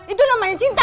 itu namanya cinta